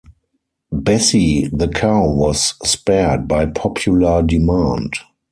Bessie the cow was spared by popular demand.